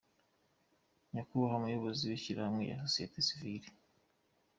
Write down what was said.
Nyakubahwa Muyobozi w’Ishyirahamwe rya Société Civile,